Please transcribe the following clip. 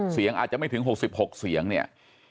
เสียงอาจจะไม่ถึง๖๖เสียงเนี่ย